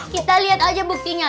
kita liat aja buktinya